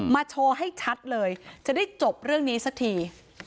โชว์ให้ชัดเลยจะได้จบเรื่องนี้สักที